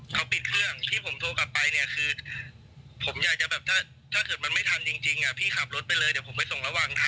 เขาปิดเครื่องที่ผมโทรกลับไปเนี่ยคือผมอยากจะแบบถ้าเกิดมันไม่ทันจริงพี่ขับรถไปเลยเดี๋ยวผมไปส่งระวังค่ะ